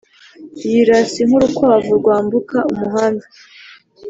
yirasa nk'urukwavu rwambuka umuhanda.